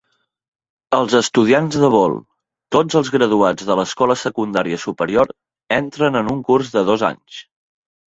Els estudiants de vol, tots els graduats de l'escola secundària superior, entren en un curs de dos anys.